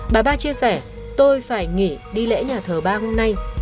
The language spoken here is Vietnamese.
bà ba chia sẻ tôi phải nghỉ đi lễ nhà thờ ba hôm nay